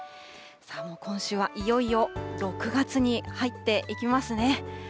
今週はいよいよ６月に入っていきますね。